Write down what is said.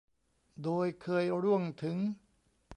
โดยเคยร่วงถึง